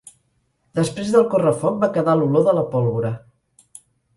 Després del correfoc va quedar l'olor de la pólvora.